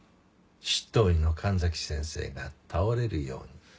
執刀医の神崎先生が倒れるように。